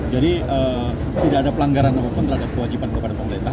jadi tidak ada pelanggaran apapun terhadap kewajiban kepada pemerintah